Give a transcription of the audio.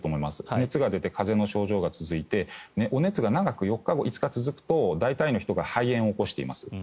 熱が出て風邪の症状が続いてお熱が長く４日、５日続くと大体の人が肺炎を起こしています。